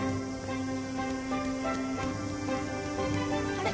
あれ？